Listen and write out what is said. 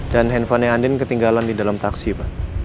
dan handphonenya andin ketinggalan di dalam taksi pak